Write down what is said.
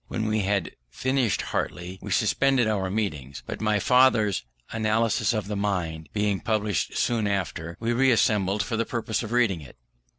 When we had finished Hartley, we suspended our meetings; but my father's Analysis of the Mind being published soon after, we reassembled for the purpose of reading it.